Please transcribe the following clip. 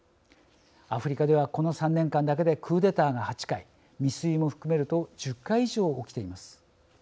アフリカではこの３年間だけでクーデターが８回未遂も含めると１０回以上起きています。